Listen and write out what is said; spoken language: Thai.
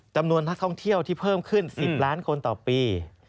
จำนวนนักท่องเที่ยวที่เพิ่มขึ้น๑๐ล้านคนต่อปี